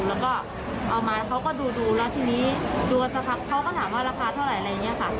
แล้วก็เอามาเขาก็ดูแล้วทีนี้ดูสักพักเขาก็ถามว่าราคาเท่าไหร่อะไรอย่างนี้ค่ะ